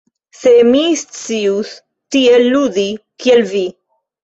Se mi scius tiel ludi, kiel Vi!